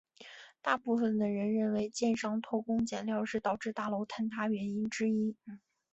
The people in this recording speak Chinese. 大部分的人认为建商偷工减料是导致大楼坍塌原因之一。